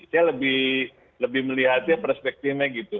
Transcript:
saya lebih melihatnya perspektifnya gitu